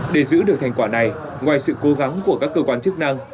để giữ được thành quả này ngoài sự cố gắng của các cơ quan chức năng